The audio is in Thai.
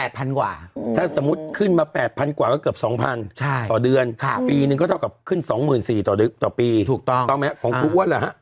แปดพันกว่าถ้าสมมุติขึ้นมาแปดพันกว่าก็เกือบสองพันใช่ต่อเดือนค่ะปีนึงก็เท่ากับขึ้นสองหมื่นสี่ต่อต่อปีถูกต้องมั้ยของคุณว่าแล้วฮะ